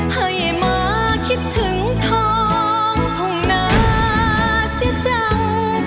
ให้มาคิดถึงท้องทงนาเสียจัง